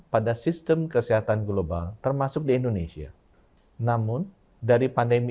pada sistem kesehatan global termasuk di indonesia namun dari pandemi